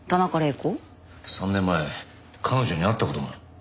３年前彼女に会った事が。